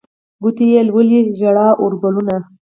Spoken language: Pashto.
ګوتې یې لولي ژړ اوربلونه